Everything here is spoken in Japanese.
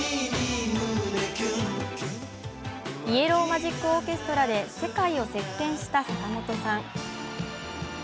イエロー・マジック・オーケストラで世界を席巻した坂本さん。